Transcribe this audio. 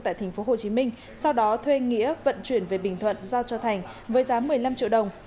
tại tp hcm sau đó thuê nghĩa vận chuyển về bình thuận giao cho thành với giá một mươi năm triệu đồng